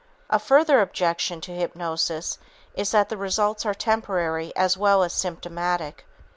A further objection to hypnosis is that the results are temporary as well as symptomatic.